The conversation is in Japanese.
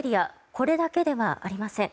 これだけではありません。